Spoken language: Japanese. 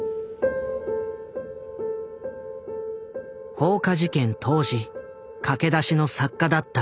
放火事件当時駆け出しの作家だった水上。